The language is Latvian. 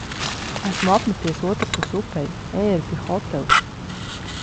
Esmu apmeties otrpus upei. "Ērgļa hotelis".